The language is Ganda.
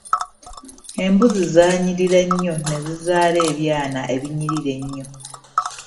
Embuzi zaanyirira nnyo nezizaala ebyana ebinyirira ennyo.